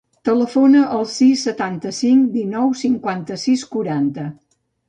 Telefona al sis, setanta-cinc, dinou, cinquanta-sis, quaranta.